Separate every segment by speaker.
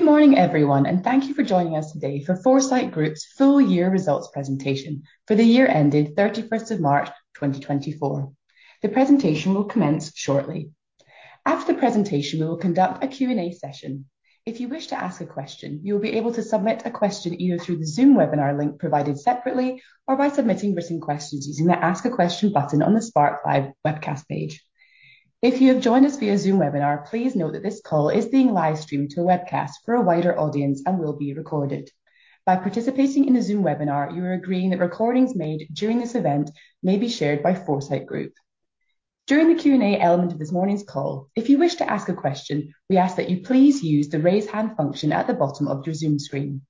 Speaker 1: Good morning, everyone, and thank you for joining us today for Foresight Group's Full-year Results Presentation for the year ending 31 March 2024. The presentation will commence shortly. After the presentation, we will conduct a Q&A session. If you wish to ask a question, you will be able to submit a question either through the Zoom webinar link provided separately or by submitting written questions using the Ask a Question button on the Spark Live webcast page. If you have joined us via Zoom webinar, please note that this call is being live-streamed to a webcast for a wider audience and will be recorded. By participating in the Zoom webinar, you are agreeing that recordings made during this event may be shared by Foresight Group. During the Q&A element of this morning's call, if you wish to ask a question, we ask that you please use the raise hand function at the bottom of your Zoom screen.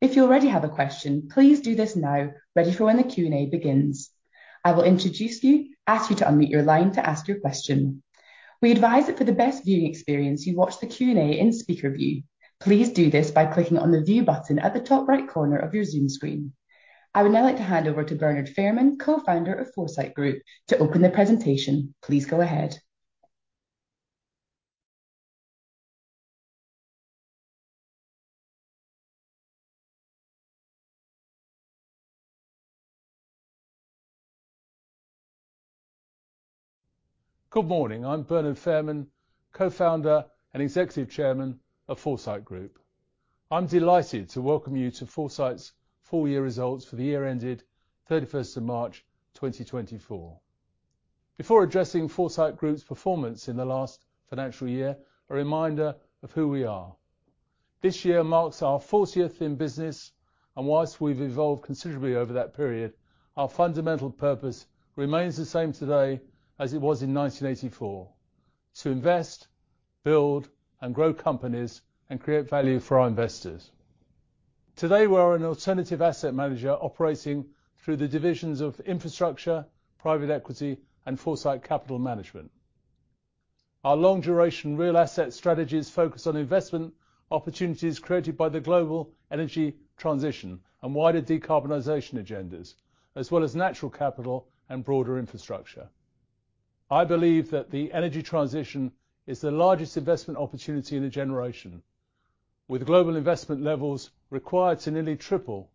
Speaker 1: If you already have a question, please do this now, ready for when the Q&A begins. I will introduce you, ask you to unmute your line to ask your question. We advise that for the best viewing experience, you watch the Q&A in speaker view. Please do this by clicking on the view button at the top right corner of your Zoom screen. I would now like to hand over to Bernard Fairman, co-founder of Foresight Group, to open the presentation. Please go ahead.
Speaker 2: Good morning. I'm Bernard Fairman, co-founder and executive chairman of Foresight Group. I'm delighted to welcome you to Foresight's full-year results for the year ending 31 March 2024. Before addressing Foresight Group's performance in the last financial year, a reminder of who we are. This year marks our 40th in business, and while we've evolved considerably over that period, our fundamental purpose remains the same today as it was in 1984: to invest, build, and grow companies and create value for our investors. Today, we are an alternative asset manager operating through the divisions of Infrastructure, Private Equity, and Foresight Capital Management. Our long-duration real asset strategies focus on investment opportunities created by the global energy transition and wider decarbonization agendas, as well as natural capital and broader infrastructure. I believe that the energy transition is the largest investment opportunity in a generation, with global investment levels required to nearly triple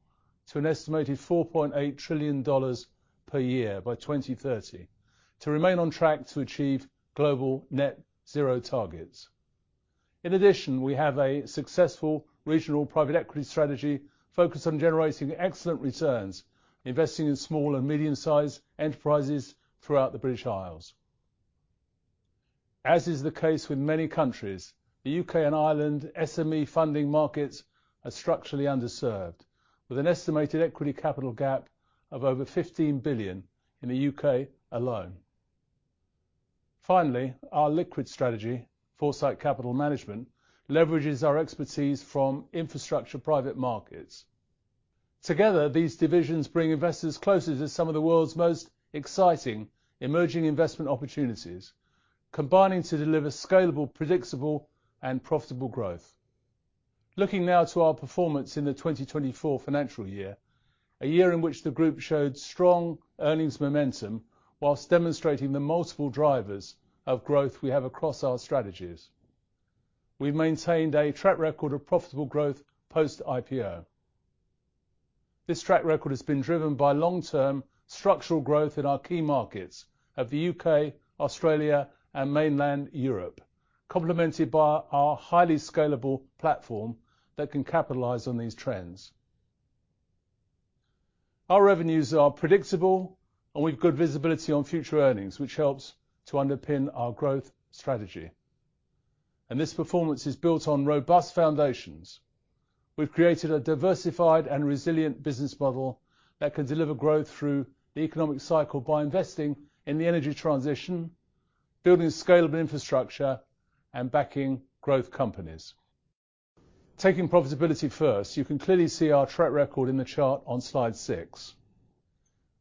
Speaker 2: to an estimated $4.8 trillion per year by 2030 to remain on track to achieve global net zero targets. In addition, we have a successful regional private equity strategy focused on generating excellent returns, investing in small and medium-sized enterprises throughout the British Isles. As is the case with many countries, the UK and Ireland SME funding markets are structurally underserved, with an estimated equity capital gap of over $15 billion in the UK alone. Finally, our liquid strategy, Foresight Capital Management, leverages our expertise from infrastructure private markets. Together, these divisions bring investors closer to some of the world's most exciting emerging investment opportunities, combining to deliver scalable, predictable, and profitable growth. Looking now to our performance in the 2024 financial year, a year in which the group showed strong earnings momentum while demonstrating the multiple drivers of growth we have across our strategies, we've maintained a track record of profitable growth post-IPO. This track record has been driven by long-term structural growth in our key markets of the UK, Australia, and mainland Europe, complemented by our highly scalable platform that can capitalize on these trends. Our revenues are predictable, and we've good visibility on future earnings, which helps to underpin our growth strategy. This performance is built on robust foundations. We've created a diversified and resilient business model that can deliver growth through the economic cycle by investing in the energy transition, building scalable infrastructure, and backing growth companies. Taking profitability first, you can clearly see our track record in the chart on slide six.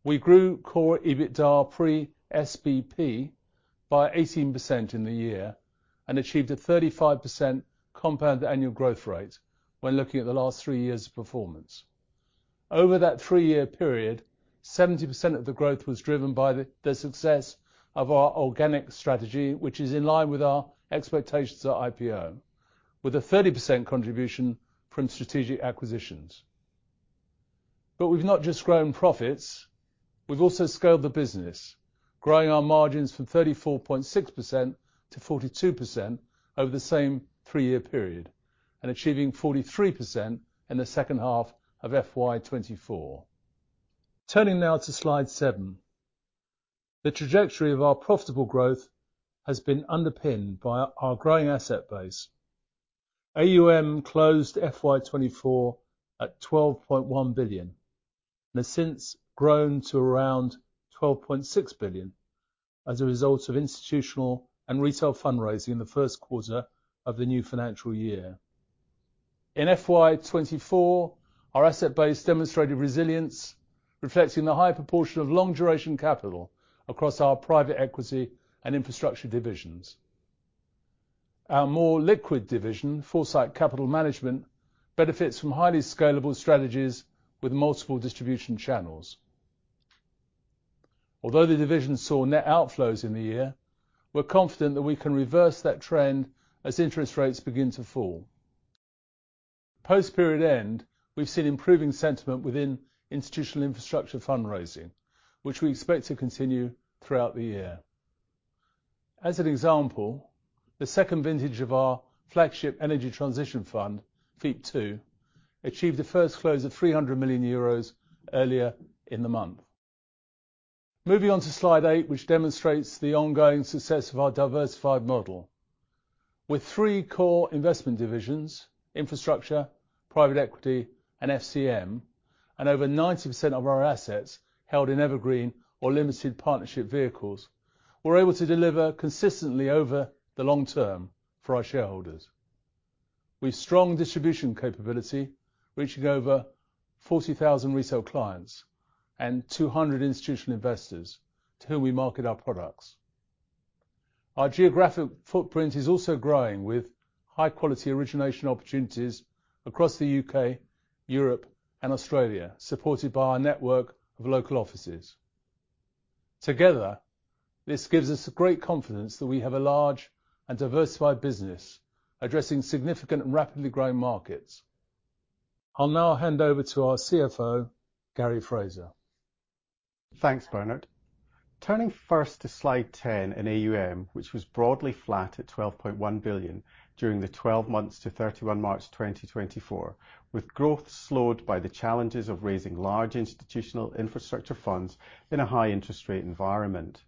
Speaker 2: We grew core EBITDA pre-SBP by 18% in the year and achieved a 35% compound annual growth rate when looking at the last 3 years' performance. Over that 3-year period, 70% of the growth was driven by the success of our organic strategy, which is in line with our expectations at IPO, with a 30% contribution from strategic acquisitions. But we've not just grown profits; we've also scaled the business, growing our margins from 34.6%-42% over the same 3-year period and achieving 43% in the second half of FY24. Turning now to slide 7, the trajectory of our profitable growth has been underpinned by our growing asset base. AUM closed FY24 at $12.1 billion and has since grown to around $12.6 billion as a result of institutional and retail fundraising in the first quarter of the new financial year. In FY24, our asset base demonstrated resilience, reflecting the high proportion of long-duration capital across our private equity and infrastructure divisions. Our more liquid division, Foresight Capital Management, benefits from highly scalable strategies with multiple distribution channels. Although the division saw net outflows in the year, we're confident that we can reverse that trend as interest rates begin to fall. Post-period end, we've seen improving sentiment within institutional infrastructure fundraising, which we expect to continue throughout the year. As an example, the second vintage of our flagship energy transition fund, FEIP II, achieved a first close of 300 million euros earlier in the month. Moving on to slide eight, which demonstrates the ongoing success of our diversified model. With three core investment divisions, infrastructure, private equity, and FCM, and over 90% of our assets held in evergreen or limited partnership vehicles, we're able to deliver consistently over the long term for our shareholders. We have strong distribution capability, reaching over 40,000 retail clients and 200 institutional investors to whom we market our products. Our geographic footprint is also growing with high-quality origination opportunities across the UK, Europe, and Australia, supported by our network of local offices. Together, this gives us great confidence that we have a large and diversified business addressing significant and rapidly growing markets. I'll now hand over to our CFO, Gary Fraser.
Speaker 3: Thanks, Bernard. Turning first to slide 10 in AUM, which was broadly flat at $12.1 billion during the 12 months to 31 March 2024, with growth slowed by the challenges of raising large institutional infrastructure funds in a high-interest rate environment.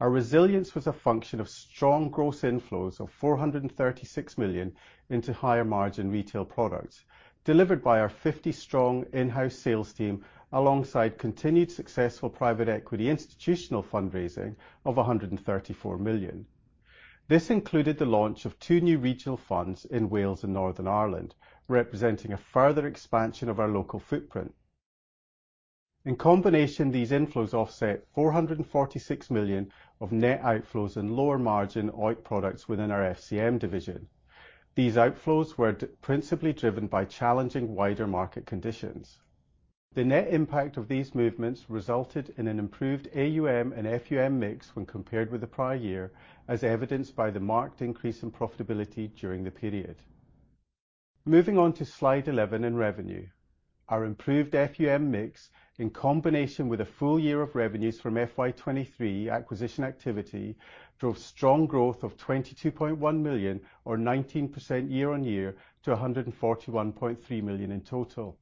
Speaker 3: Our resilience was a function of strong gross inflows of $436 million into higher-margin retail products delivered by our 50-strong in-house sales team alongside continued successful private equity institutional fundraising of $134 million. This included the launch of two new regional funds in Wales and Northern Ireland, representing a further expansion of our local footprint. In combination, these inflows offset $446 million of net outflows in lower-margin OEIC products within our FCM division. These outflows were principally driven by challenging wider market conditions. The net impact of these movements resulted in an improved AUM and FUM mix when compared with the prior year, as evidenced by the marked increase in profitability during the period. Moving on to slide 11 in revenue, our improved FUM mix, in combination with a full year of revenues from FY23 acquisition activity, drove strong growth of 22.1 million, or 19% year-on-year, to 141.3 million in total.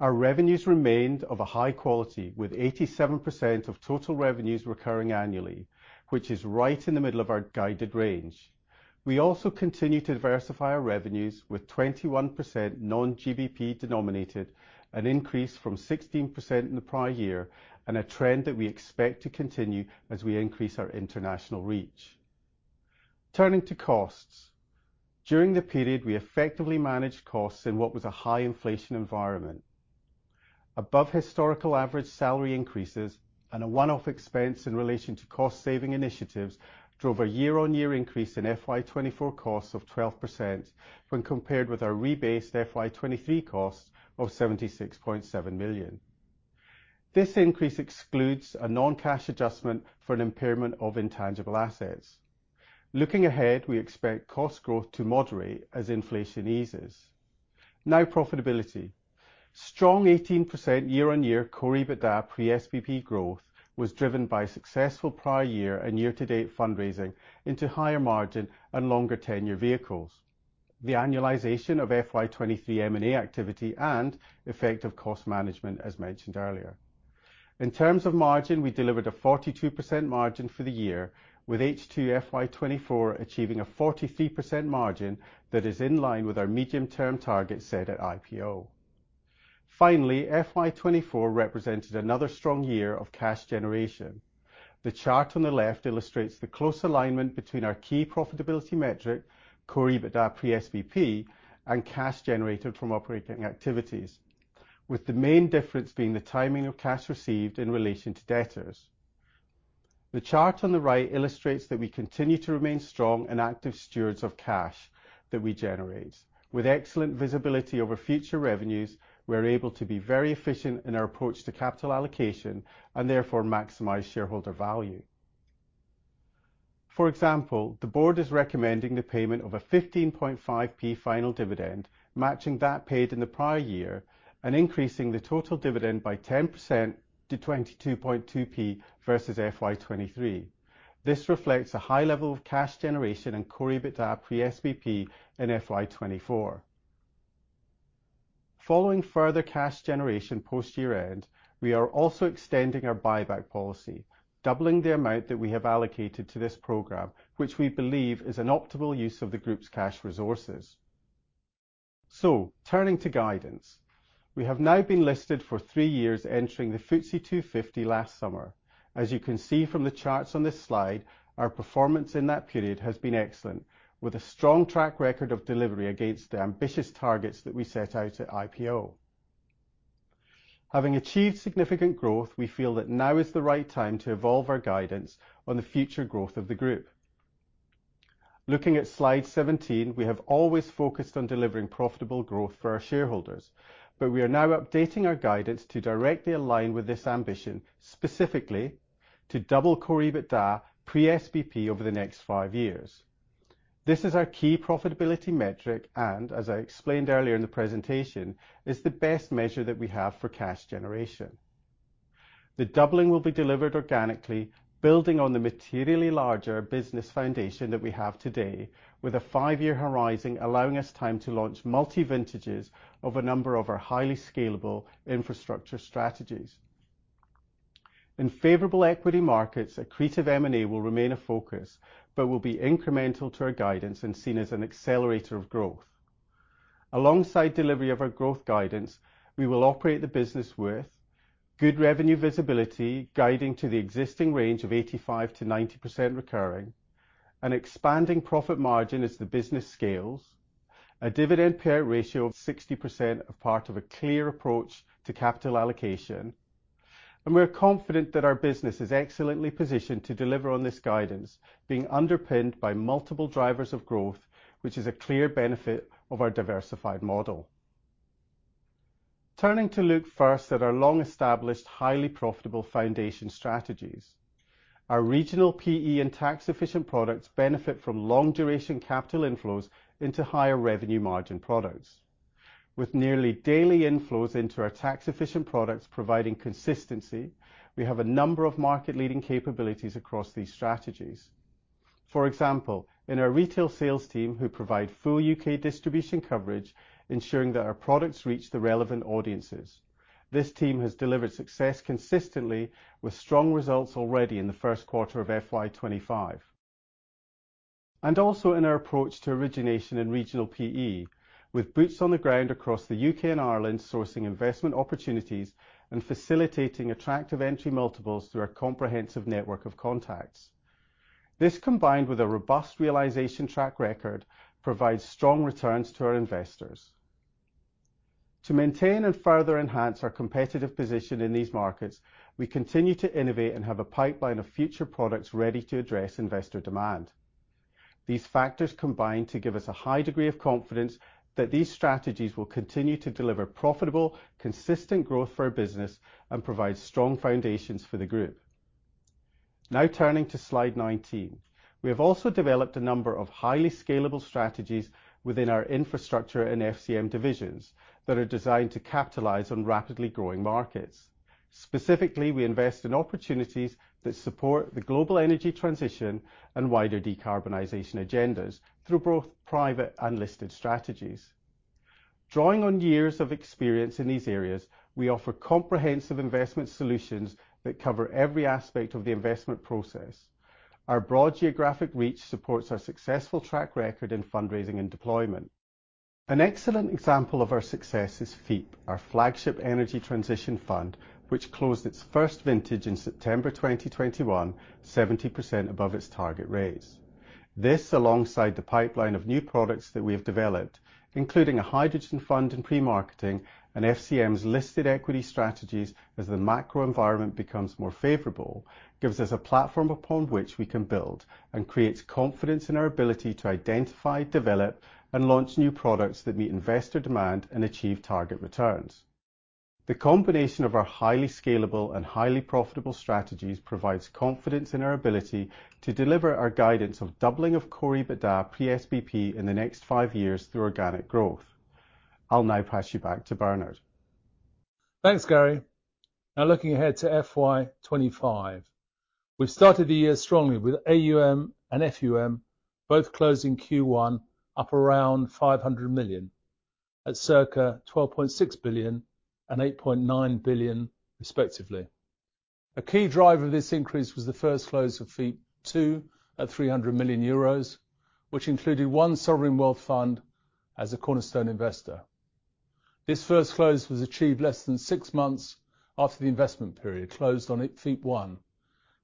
Speaker 3: Our revenues remained of a high quality, with 87% of total revenues recurring annually, which is right in the middle of our guided range. We also continued to diversify our revenues with 21% non-GBP denominated, an increase from 16% in the prior year and a trend that we expect to continue as we increase our international reach. Turning to costs, during the period, we effectively managed costs in what was a high-inflation environment. Above-historical average salary increases and a one-off expense in relation to cost-saving initiatives drove a year-on-year increase in FY24 costs of 12% when compared with our rebased FY23 costs of $76.7 million. This increase excludes a non-cash adjustment for an impairment of intangible assets. Looking ahead, we expect cost growth to moderate as inflation eases. Now, profitability. Strong 18% year-on-year core EBITDA pre-SBP growth was driven by successful prior year and year-to-date fundraising into higher-margin and longer-tenure vehicles, the annualization of FY23 M&A activity, and effective cost management, as mentioned earlier. In terms of margin, we delivered a 42% margin for the year, with H2 FY24 achieving a 43% margin that is in line with our medium-term target set at IPO. Finally, FY24 represented another strong year of cash generation. The chart on the left illustrates the close alignment between our key profitability metric, core EBITDA pre-SBP, and cash generated from operating activities, with the main difference being the timing of cash received in relation to debtors. The chart on the right illustrates that we continue to remain strong and active stewards of cash that we generate. With excellent visibility over future revenues, we're able to be very efficient in our approach to capital allocation and therefore maximize shareholder value. For example, the board is recommending the payment of a GBP 15.5p final dividend matching that paid in the prior year and increasing the total dividend by 10% to GBP 22.2p versus FY23. This reflects a high level of cash generation and core EBITDA pre-SBP in FY24. Following further cash generation post year-end, we are also extending our buyback policy, doubling the amount that we have allocated to this program, which we believe is an optimal use of the group's cash resources. Turning to guidance, we have now been listed for three years, entering the FTSE 250 last summer. As you can see from the charts on this slide, our performance in that period has been excellent, with a strong track record of delivery against the ambitious targets that we set out at IPO. Having achieved significant growth, we feel that now is the right time to evolve our guidance on the future growth of the group. Looking at slide 17, we have always focused on delivering profitable growth for our shareholders, but we are now updating our guidance to directly align with this ambition, specifically to double core EBITDA pre-SBP over the next five years. This is our key profitability metric and, as I explained earlier in the presentation, is the best measure that we have for cash generation. The doubling will be delivered organically, building on the materially larger business foundation that we have today, with a five-year horizon allowing us time to launch multi-vintages of a number of our highly scalable infrastructure strategies. In favorable equity markets, accretive M&A will remain a focus but will be incremental to our guidance and seen as an accelerator of growth. Alongside delivery of our growth guidance, we will operate the business with good revenue visibility guiding to the existing range of 85%-90% recurring, an expanding profit margin as the business scales, a dividend payout ratio of 60% as part of a clear approach to capital allocation, and we're confident that our business is excellently positioned to deliver on this guidance, being underpinned by multiple drivers of growth, which is a clear benefit of our diversified model. Turning to look first at our long-established, highly profitable foundation strategies, our regional PE and tax-efficient products benefit from long-duration capital inflows into higher revenue margin products. With nearly daily inflows into our tax-efficient products providing consistency, we have a number of market-leading capabilities across these strategies. For example, in our retail sales team who provide full UK distribution coverage, ensuring that our products reach the relevant audiences. This team has delivered success consistently with strong results already in the first quarter of FY25. Also in our approach to origination and regional PE, with boots on the ground across the UK and Ireland sourcing investment opportunities and facilitating attractive entry multiples through our comprehensive network of contacts. This, combined with a robust realization track record, provides strong returns to our investors. To maintain and further enhance our competitive position in these markets, we continue to innovate and have a pipeline of future products ready to address investor demand. These factors combine to give us a high degree of confidence that these strategies will continue to deliver profitable, consistent growth for our business and provide strong foundations for the group. Now turning to slide 19, we have also developed a number of highly scalable strategies within our infrastructure and FCM divisions that are designed to capitalize on rapidly growing markets. Specifically, we invest in opportunities that support the global energy transition and wider decarbonization agendas through both private and listed strategies. Drawing on years of experience in these areas, we offer comprehensive investment solutions that cover every aspect of the investment process. Our broad geographic reach supports our successful track record in fundraising and deployment. An excellent example of our success is FEIP, our flagship energy transition fund, which closed its first vintage in September 2021, 70% above its target raise. This, alongside the pipeline of new products that we have developed, including a hydrogen fund in pre-marketing and FCM's listed equity strategies as the macro environment becomes more favorable, gives us a platform upon which we can build and creates confidence in our ability to identify, develop, and launch new products that meet investor demand and achieve target returns. The combination of our highly scalable and highly profitable strategies provides confidence in our ability to deliver our guidance of doubling of core EBITDA pre-SBP in the next five years through organic growth. I'll now pass you back to Bernard.
Speaker 2: Thanks, Gary. Now looking ahead to FY25, we've started the year strongly with AUM and FUM both closing Q1 up around $500 million at circa $12.6 billion and $8.9 billion, respectively. A key driver of this increase was the first close of FEIP II at 300 million euros, which included one sovereign wealth fund as a cornerstone investor. This first close was achieved less than six months after the investment period closed on FEIP I,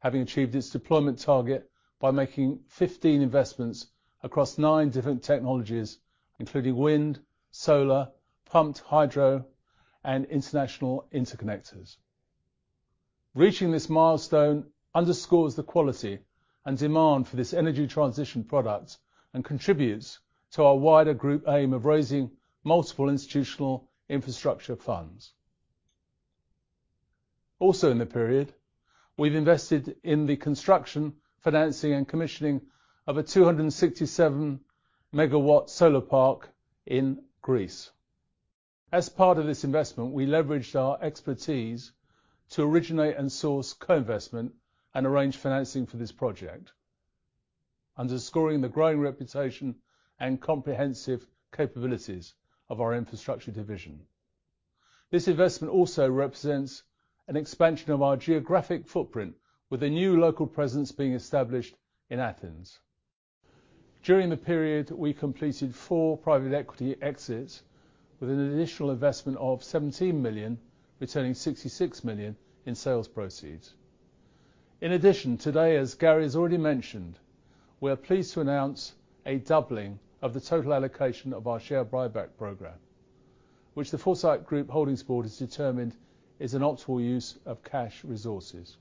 Speaker 2: having achieved its deployment target by making 15 investments across nine different technologies, including wind, solar, pumped hydro, and international interconnectors. Reaching this milestone underscores the quality and demand for this energy transition product and contributes to our wider group aim of raising multiple institutional infrastructure funds. Also, in the period, we've invested in the construction, financing, and commissioning of a 267 MW solar park in Greece. As part of this investment, we leveraged our expertise to originate and source co-investment and arrange financing for this project, underscoring the growing reputation and comprehensive capabilities of our infrastructure division. This investment also represents an expansion of our geographic footprint, with a new local presence being established in Athens. During the period, we completed 4 private equity exits with an additional investment of $17 million, returning $66 million in sales proceeds. In addition, today, as Gary has already mentioned, we are pleased to announce a doubling of the total allocation of our share buyback program, which the Foresight Group Holdings Board has determined is an optimal use of cash resources.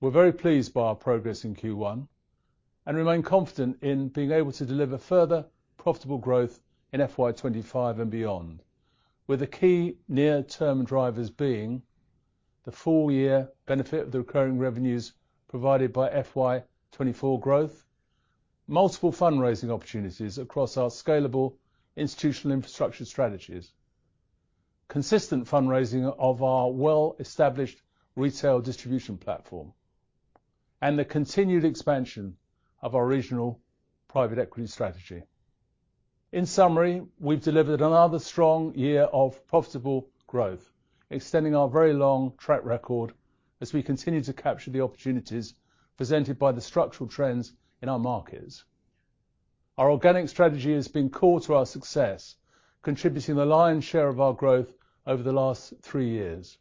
Speaker 2: We're very pleased by our progress in Q1 and remain confident in being able to deliver further profitable growth in FY25 and beyond, with the key near-term drivers being the full-year benefit of the recurring revenues provided by FY24 growth, multiple fundraising opportunities across our scalable institutional infrastructure strategies, consistent fundraising of our well-established retail distribution platform, and the continued expansion of our regional private equity strategy. In summary, we've delivered another strong year of profitable growth, extending our very long track record as we continue to capture the opportunities presented by the structural trends in our markets. Our organic strategy has been core to our success, contributing the lion's share of our growth over the last three years.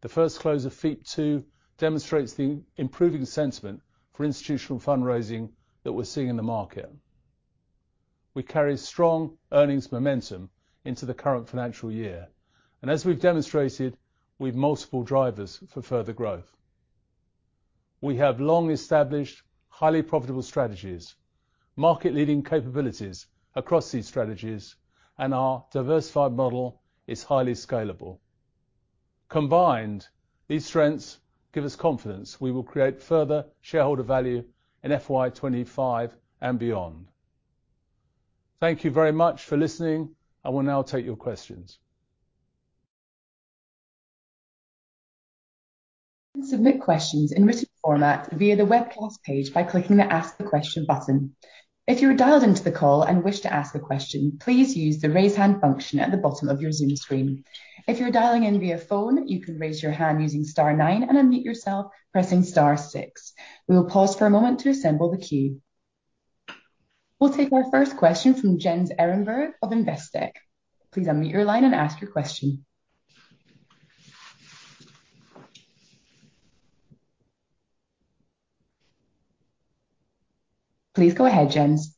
Speaker 2: The first close of FEIP II demonstrates the improving sentiment for institutional fundraising that we're seeing in the market. We carry strong earnings momentum into the current financial year, and as we've demonstrated, we have multiple drivers for further growth. We have long-established, highly profitable strategies, market-leading capabilities across these strategies, and our diversified model is highly scalable. Combined, these strengths give us confidence we will create further shareholder value in FY25 and beyond. Thank you very much for listening, and we'll now take your questions.
Speaker 1: Submit questions in written format via the webcast page by clicking the Ask a Question button. If you're dialed into the call and wish to ask a question, please use the raise hand function at the bottom of your Zoom screen. If you're dialing in via phone, you can raise your hand using star nine and unmute yourself pressing star six. We will pause for a moment to assemble the queue. We'll take our first question from Jens Ehrenberg of Investec. Please unmute your line and ask your question. Please go ahead, Jens.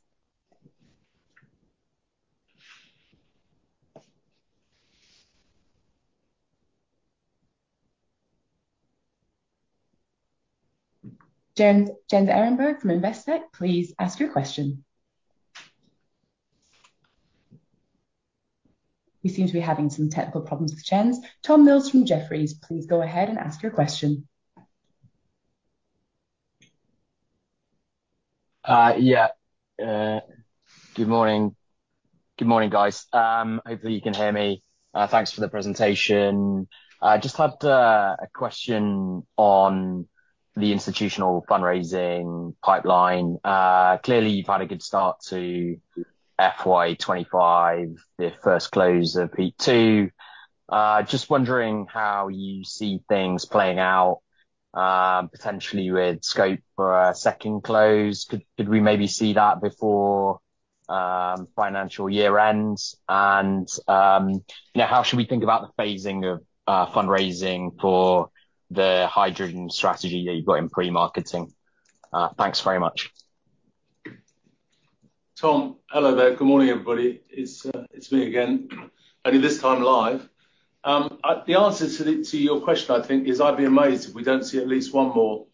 Speaker 1: Jens Ehrenberg from Investec, please ask your question. We seem to be having some technical problems with Jens. Tom Mills from Jefferies, please go ahead and ask your question.
Speaker 4: Yeah. Good morning. Good morning, guys. Hopefully, you can hear me. Thanks for the presentation. I just had a question on the institutional fundraising pipeline. Clearly, you've had a good start to FY25, the first close of FEIP II. Just wondering how you see things playing out, potentially with scope for a second close. Could we maybe see that before financial year end? And how should we think about the phasing of fundraising for the hydrogen strategy that you've got in pre-marketing? Thanks very much.
Speaker 2: Tom, hello there. Good morning, everybody. It's me again, only this time live. The answer to your question, I think, is I'd be amazed if we don't see at least one more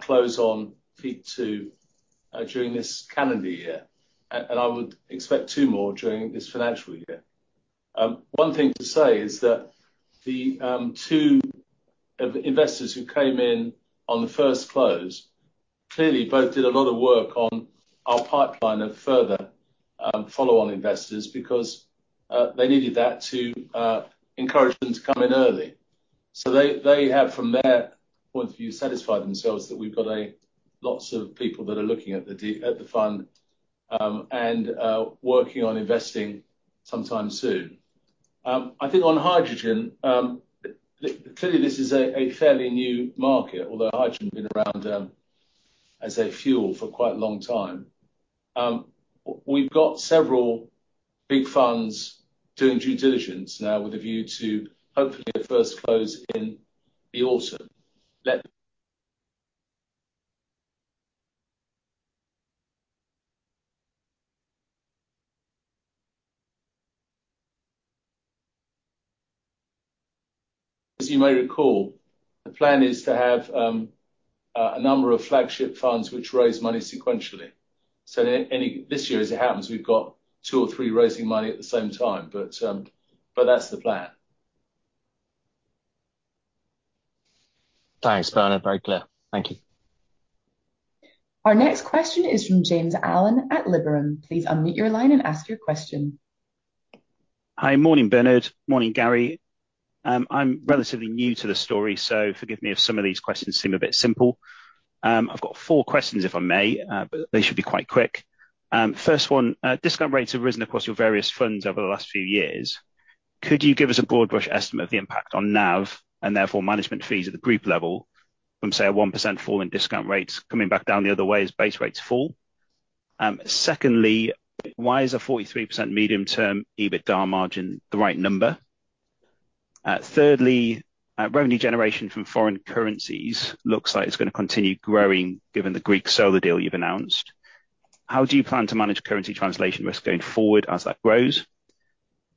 Speaker 2: close on FEIP II during this calendar year, and I would expect two more during this financial year. One thing to say is that the two investors who came in on the first close clearly both did a lot of work on our pipeline of further follow-on investors because they needed that to encourage them to come in early. So they have, from their point of view, satisfied themselves that we've got lots of people that are looking at the fund and working on investing sometime soon. I think on hydrogen, clearly, this is a fairly new market, although hydrogen has been around as a fuel for quite a long time. We've got several big funds doing due diligence now with a view to hopefully a first close in the autumn. As you may recall, the plan is to have a number of flagship funds which raise money sequentially. So this year, as it happens, we've got two or three raising money at the same time, but that's the plan.
Speaker 4: Thanks, Bernard. Very clear. Thank you.
Speaker 1: Our next question is from James Allen at Liberum. Please unmute your line and ask your question.
Speaker 5: Hi, morning, Bernard. Morning, Gary. I'm relatively new to the story, so forgive me if some of these questions seem a bit simple. I've got four questions, if I may, but they should be quite quick. First one, discount rates have risen across your various funds over the last few years. Could you give us a broad brush estimate of the impact on NAV and therefore management fees at the group level from, say, a 1% fall in discount rates coming back down the other way as base rates fall? Secondly, why is a 43% medium-term EBITDA margin the right number? Thirdly, revenue generation from foreign currencies looks like it's going to continue growing given the Greek solar deal you've announced. How do you plan to manage currency translation risk going forward as that grows?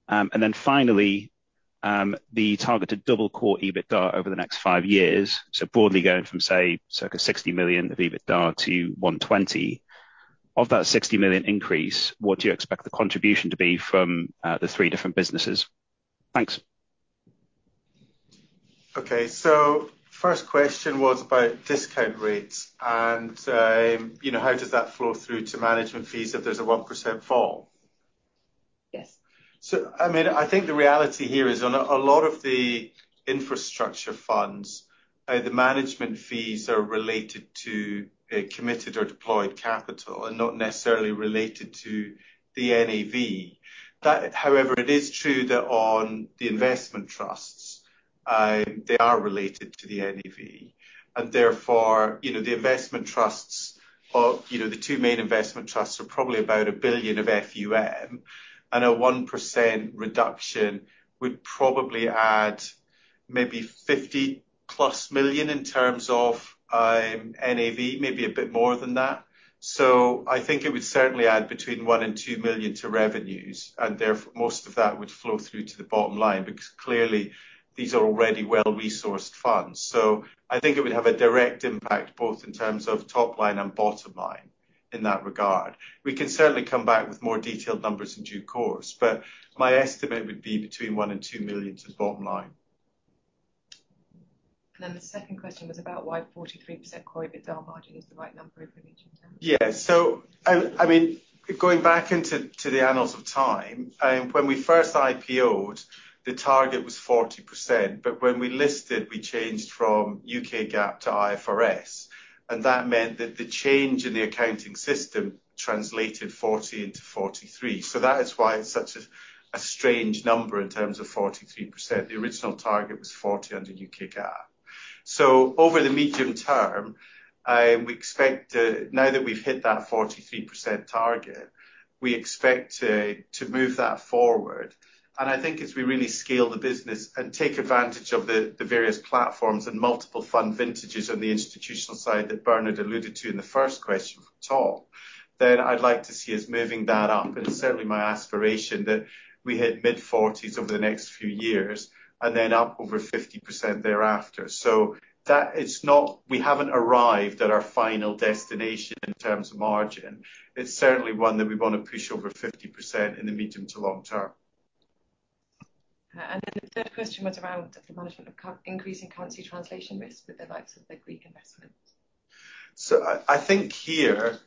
Speaker 5: Then finally, the targeted double-core EBITDA over the next 5 years, so broadly going from, say, circa 60 million of EBITDA to 120 million. Of that 60 million increase, what do you expect the contribution to be from the 3 different businesses? Thanks.
Speaker 3: Okay. First question was about discount rates and how does that flow through to management fees if there's a 1% fall?
Speaker 1: Yes.
Speaker 3: So I mean, I think the reality here is on a lot of the infrastructure funds, the management fees are related to committed or deployed capital and not necessarily related to the NAV. However, it is true that on the investment trusts, they are related to the NAV. And therefore, the investment trusts, the two main investment trusts are probably about 1 billion of FUM, and a 1% reduction would probably add maybe 50+ million in terms of NAV, maybe a bit more than that. So I think it would certainly add between 1-2 million to revenues, and therefore most of that would flow through to the bottom line because clearly, these are already well-resourced funds. So I think it would have a direct impact both in terms of top line and bottom line in that regard. We can certainly come back with more detailed numbers in due course, but my estimate would be between 1 million and 2 million to the bottom line.
Speaker 1: The second question was about why 43% core EBITDA margin is the right number over the region.
Speaker 3: Yeah. So I mean, going back into the annals of time, when we first IPOed, the target was 40%, but when we listed, we changed from UK GAAP to IFRS, and that meant that the change in the accounting system translated 40 into 43. So that is why it's such a strange number in terms of 43%. The original target was 40 under UK GAAP. So over the medium term, we expect now that we've hit that 43% target, we expect to move that forward. And I think as we really scale the business and take advantage of the various platforms and multiple fund vintages on the institutional side that Bernard alluded to in the first question from Tom, then I'd like to see us moving that up. And it's certainly my aspiration that we hit mid-40s over the next few years and then up over 50% thereafter. We haven't arrived at our final destination in terms of margin. It's certainly one that we want to push over 50% in the medium to long term.
Speaker 1: The third question was around the management of increasing currency translation risk with the likes of the Greek investment.
Speaker 3: So I think here,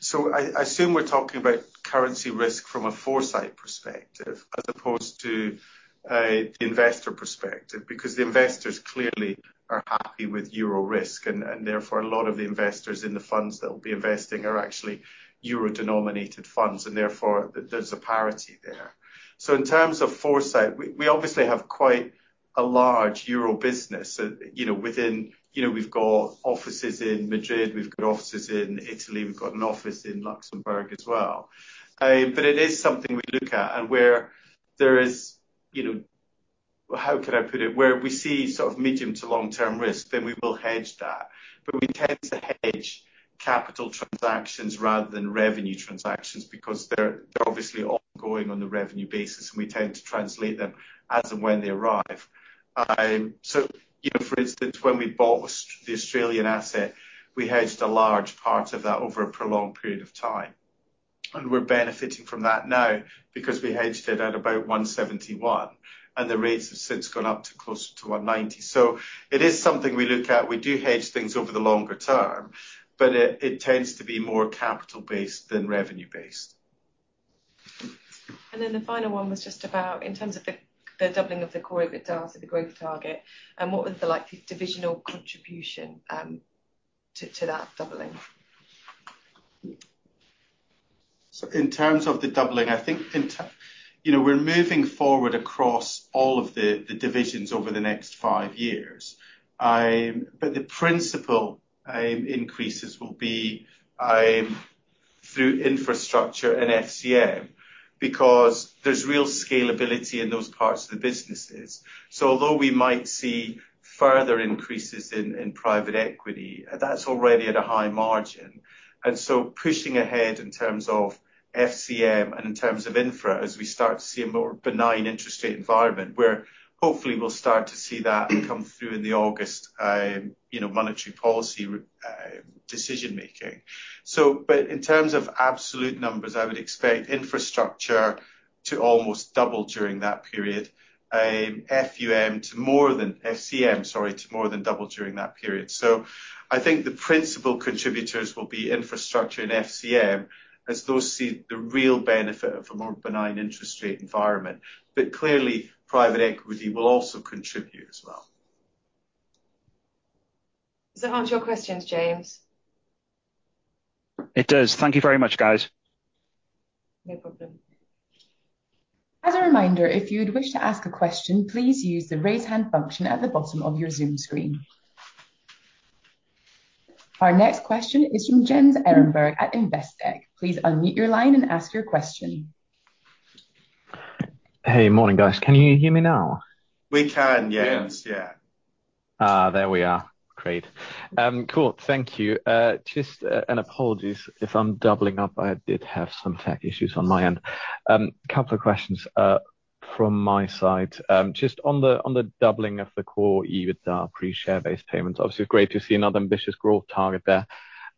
Speaker 3: so I assume we're talking about currency risk from a Foresight perspective as opposed to the investor perspective because the investors clearly are happy with euro risk, and therefore a lot of the investors in the funds that will be investing are actually euro-denominated funds, and therefore there's a parity there. So in terms of Foresight, we obviously have quite a large euro business within, we've got offices in Madrid, we've got offices in Italy, we've got an office in Luxembourg as well. But it is something we look at, and where there is, how can I put it, where we see sort of medium to long-term risk, then we will hedge that. But we tend to hedge capital transactions rather than revenue transactions because they're obviously all going on the revenue basis, and we tend to translate them as and when they arrive. For instance, when we bought the Australian asset, we hedged a large part of that over a prolonged period of time. We're benefiting from that now because we hedged it at about 171, and the rates have since gone up to close to 190. It is something we look at. We do hedge things over the longer term, but it tends to be more capital-based than revenue-based.
Speaker 1: And then the final one was just about in terms of the doubling of the core EBITDA to the growth target, and what was the likely divisional contribution to that doubling?
Speaker 3: So in terms of the doubling, I think we're moving forward across all of the divisions over the next five years. But the principal increases will be through infrastructure and FCM because there's real scalability in those parts of the businesses. So although we might see further increases in private equity, that's already at a high margin. And so pushing ahead in terms of FCM and in terms of infra as we start to see a more benign interest rate environment where hopefully we'll start to see that come through in the August monetary policy decision-making. But in terms of absolute numbers, I would expect infrastructure to almost double during that period, FUM to more than FCM, sorry, to more than double during that period. So I think the principal contributors will be infrastructure and FCM as those see the real benefit of a more benign interest rate environment. But clearly, private equity will also contribute as well.
Speaker 1: Does that answer your questions, James?
Speaker 5: It does. Thank you very much, guys.
Speaker 1: No problem. As a reminder, if you'd wish to ask a question, please use the raise hand function at the bottom of your Zoom screen. Our next question is from Jens Ehrenberg at Investec. Please unmute your line and ask your question.
Speaker 4: Hey, morning, guys. Can you hear me now?
Speaker 2: We can, yes. Yeah.
Speaker 4: There we are. Great. Cool. Thank you. Just an apology. If I'm doubling up, I did have some tech issues on my end. A couple of questions from my side. Just on the doubling of the core EBITDA pre-share-based payments, obviously, it's great to see another ambitious growth target there.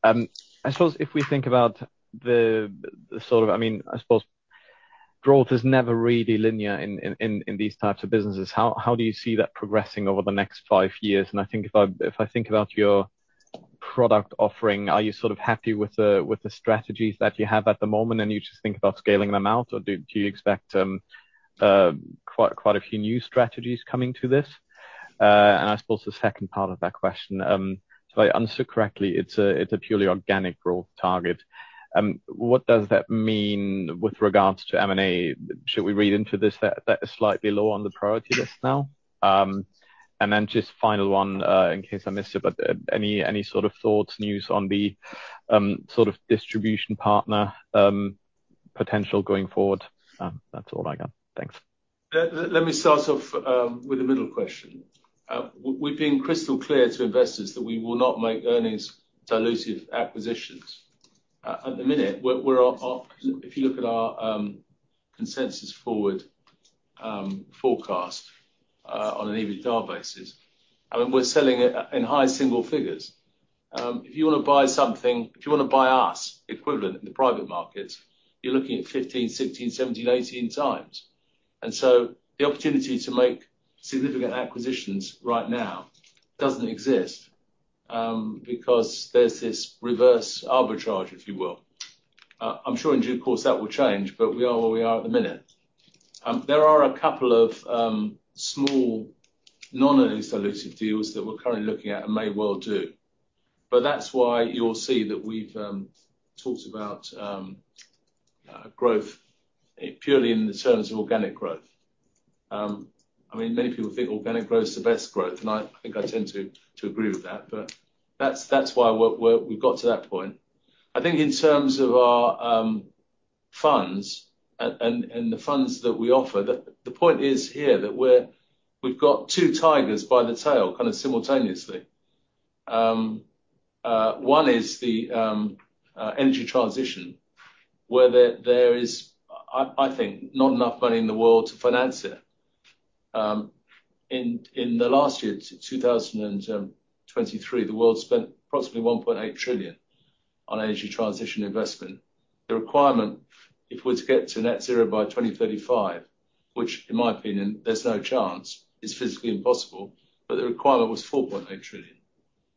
Speaker 4: I suppose if we think about the sort of, I mean, I suppose growth is never really linear in these types of businesses. How do you see that progressing over the next five years? And I think if I think about your product offering, are you sort of happy with the strategies that you have at the moment and you just think about scaling them out, or do you expect quite a few new strategies coming to this? And I suppose the second part of that question, if I understood correctly, it's a purely organic growth target. What does that mean with regards to M&A? Should we read into this that it's slightly low on the priority list now? And then just final one in case I missed it, but any sort of thoughts, news on the sort of distribution partner potential going forward? That's all I got. Thanks.
Speaker 2: Let me start off with a middle question. We've been crystal clear to investors that we will not make earnings dilutive acquisitions. At the minute, if you look at our consensus forward forecast on an EBITDA basis, I mean, we're selling it in high single figures. If you want to buy something, if you want to buy us equivalent in the private markets, you're looking at 15x, 16x, 17x, 18x. And so the opportunity to make significant acquisitions right now doesn't exist because there's this reverse arbitrage, if you will. I'm sure in due course that will change, but we are where we are at the minute. There are a couple of small non-earnings dilutive deals that we're currently looking at and may well do. But that's why you'll see that we've talked about growth purely in the terms of organic growth. I mean, many people think organic growth is the best growth, and I think I tend to agree with that, but that's why we've got to that point. I think in terms of our funds and the funds that we offer, the point is here that we've got two tigers by the tail kind of simultaneously. One is the energy transition where there is, I think, not enough money in the world to finance it. In the last year, 2023, the world spent approximately $1.8 trillion on energy transition investment. The requirement, if we're to get to net zero by 2035, which in my opinion, there's no chance, is physically impossible, but the requirement was $4.8 trillion.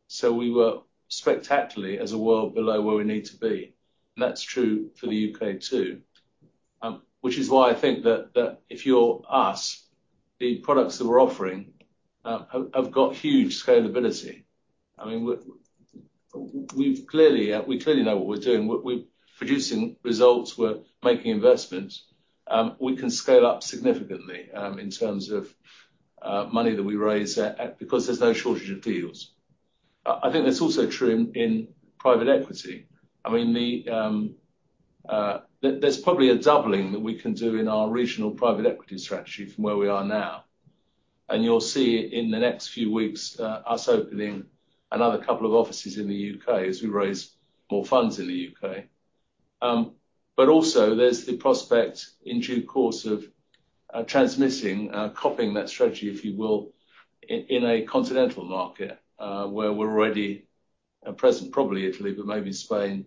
Speaker 2: So we were spectacularly as a world below where we need to be. And that's true for the UK too, which is why I think that if you're us, the products that we're offering have got huge scalability. I mean, we clearly know what we're doing. We're producing results. We're making investments. We can scale up significantly in terms of money that we raise because there's no shortage of deals. I think that's also true in private equity. I mean, there's probably a doubling that we can do in our regional private equity strategy from where we are now. And you'll see in the next few weeks us opening another couple of offices in the UK as we raise more funds in the UK. But also there's the prospect in due course of transmitting, copying that strategy, if you will, in a continental market where we're already present, probably Italy, but maybe Spain.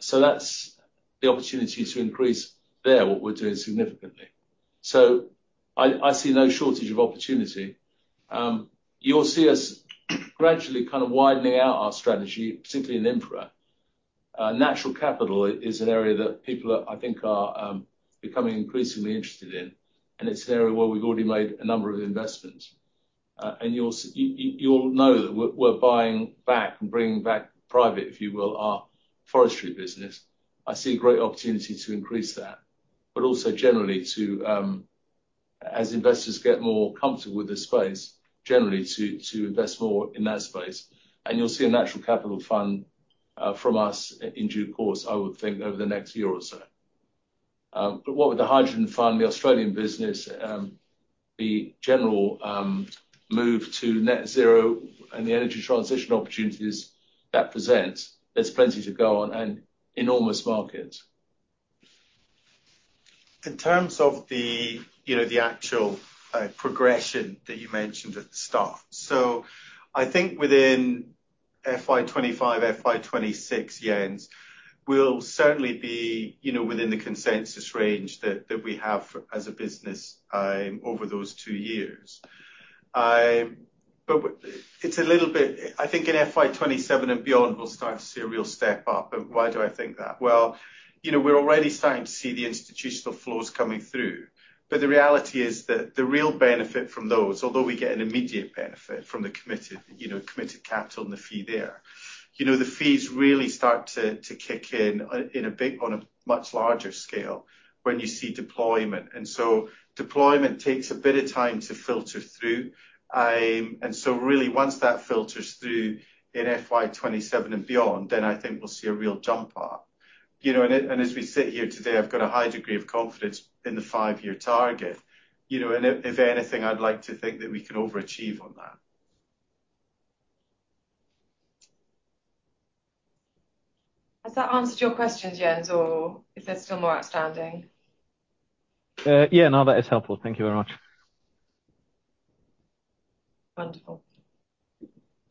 Speaker 2: So that's the opportunity to increase there what we're doing significantly. So I see no shortage of opportunity. You'll see us gradually kind of widening out our strategy, particularly in infra. Natural capital is an area that people, I think, are becoming increasingly interested in, and it's an area where we've already made a number of investments. And you'll know that we're buying back and bringing back private, if you will, our forestry business. I see a great opportunity to increase that, but also generally to, as investors get more comfortable with the space, generally to invest more in that space. And you'll see a natural capital fund from us in due course, I would think, over the next year or so. But what with the hydrogen fund, the Australian business, the general move to net zero and the energy transition opportunities that present, there's plenty to go on and enormous markets. In terms of the actual progression that you mentioned at the start, so I think within FY25, FY26, years, we'll certainly be within the consensus range that we have as a business over those two years. But it's a little bit, I think in FY27 and beyond, we'll start to see a real step up. But why do I think that? Well, we're already starting to see the institutional inflows coming through. But the reality is that the real benefit from those, although we get an immediate benefit from the committed capital and the fee there, the fees really start to kick in on a much larger scale when you see deployment. And so deployment takes a bit of time to filter through. So really, once that filters through in FY27 and beyond, then I think we'll see a real jump up. As we sit here today, I've got a high degree of confidence in the five-year target. And if anything, I'd like to think that we can overachieve on that.
Speaker 1: Has that answered your questions, Jens, or is there still more outstanding?
Speaker 6: Yeah, no, that is helpful. Thank you very much.
Speaker 1: Wonderful.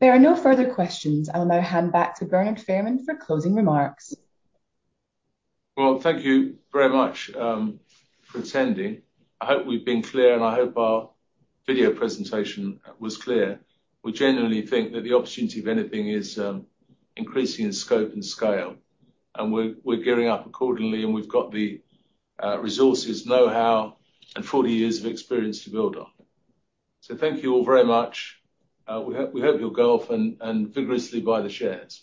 Speaker 1: There are no further questions. I'll now hand back to Bernard Fairman for closing remarks.
Speaker 2: Well, thank you very much for attending. I hope we've been clear, and I hope our video presentation was clear. We genuinely think that the opportunity, if anything, is increasing in scope and scale, and we're gearing up accordingly, and we've got the resources, know-how, and 40 years of experience to build on. So thank you all very much. We hope you'll go off and vigorously buy the shares.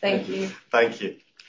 Speaker 1: Thank you.
Speaker 2: Thank you.